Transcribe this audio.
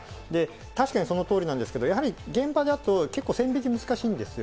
確かにそのとおりなんですけれども、やはり、現場だと結構線引き難しいんですよ。